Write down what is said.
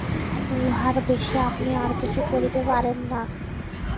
উহার বেশী আপনি আর কিছু করিতে পারেন না।